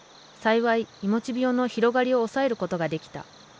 幸いいもち病の広がりを抑えることができた。